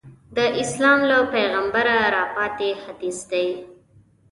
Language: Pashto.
د اسلام له پیغمبره راپاتې حدیث دی.